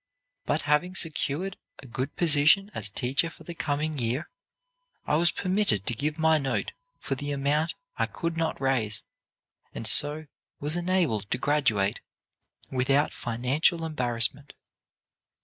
But having secured a good position as teacher for the coming year, I was permitted to give my note for the amount I could not raise, and so was enabled to graduate without financial embarrassment.